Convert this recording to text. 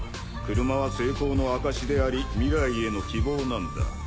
車は成功の証しであり未来への希望なんだ。